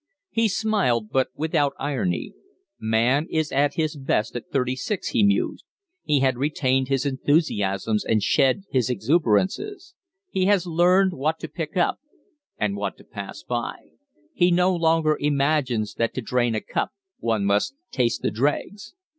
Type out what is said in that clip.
He smiled, but without irony. Man is at his best at thirty six, he mused. He has retained his enthusiasms and shed his exuberances; he has learned what to pick up and what to pass by; he no longer imagines that to drain a cup one must taste the dregs.